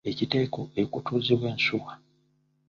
Ekiteeko okutuuzibwa ensuwa.